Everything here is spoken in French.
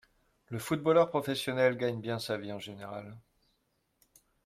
Le footballeur professionnel gagne bien sa vie en général